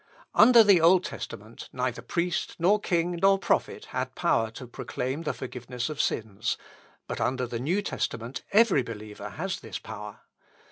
"Under the Old Testament neither priest, nor king, nor prophet, had power to proclaim the forgiveness of sins; but under the New Testament every believer has this power.